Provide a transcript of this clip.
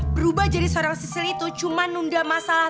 berubah jadi seorang sisi itu cuma nunda masalah